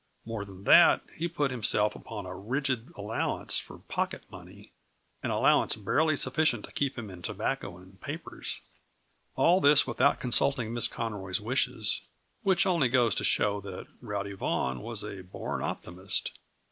More than that, he put himself upon a rigid allowance for pocket money an allowance barely sufficient to keep him in tobacco and papers. All this without consulting Miss Conroy's wishes which only goes to show that Rowdy Vaughan was a born optimist.